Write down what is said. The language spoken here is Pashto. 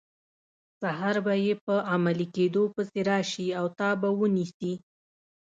سهار به یې په عملي کیدو پسې راشي او تا به ونیسي.